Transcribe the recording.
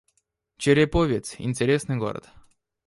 Череповец — интересный город